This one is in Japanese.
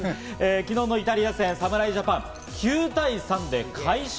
昨日のイタリア戦、侍ジャパン、９対３で快勝。